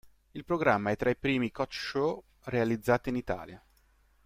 Il programma è tra i primi coach show realizzati in Italia.